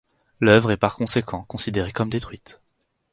L'œuvre est par conséquent considérée comme détruite.